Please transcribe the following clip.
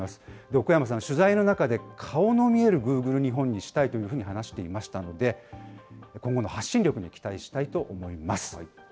奥山さんは取材の中で、顔の見えるグーグル日本にしたいというふうに話していましたので、今後の発信力に期待したいと思います。